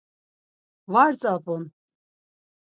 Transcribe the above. Var tzap̌un.